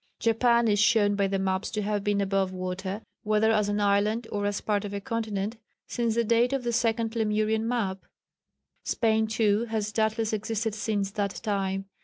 Japan is shown by the maps to have been above water, whether as an island, or as part of a continent, since the date of the second Lemurian map. Spain, too, has doubtless existed since that time.